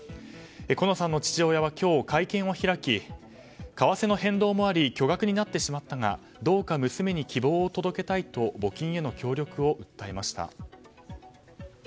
好乃さんの父親は今日、会見を開き為替の変動もあり巨額になってしまったがどうか娘に希望を届けたいと募金への協力を訴えました。